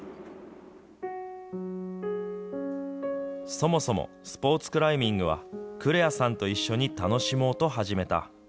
そもそもスポーツクライミングは、久玲亜さんと一緒に楽しもうと始めた。